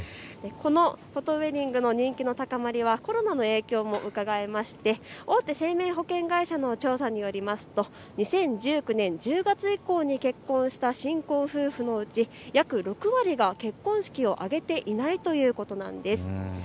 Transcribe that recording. このフォトウエディングの人気の高まりはコロナの影響もうかがえまして大手生命保険会社の調査によりますと２０１９年１０月以降に結婚した新婚夫婦のうち約６割が結婚式を挙げていないということなんです。